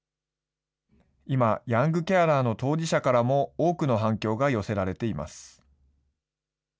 今、ヤングケアラーの当事者からも、多くの反響が寄せられています。